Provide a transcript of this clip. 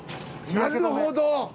なるほど！